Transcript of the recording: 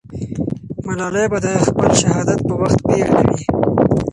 ملالۍ به د خپل شهادت په وخت پېغله وي.